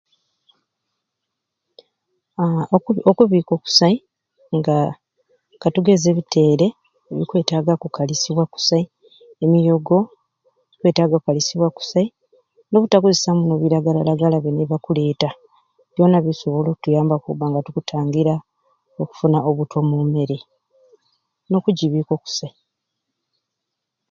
Aa okubi okubiika okusai nga katugeze ebiteere bikwetaaga kukalizibwa kusai, emyogo bikwetaaga kukalizibwa kusai n'obutakolesya muno biragalalagala bini byebakuleeta byoona bikusobola okutuyambaku nga tukutangira okufuna obutwa omu mmere n'okugibiika okusai